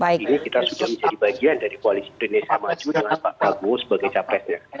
segini kita sudah bisa dibagian dari koalisi indonesia maju dengan pak agus sebagai capresnya